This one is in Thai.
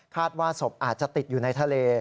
ว่าศพอาจจะติดอยู่ในทะเล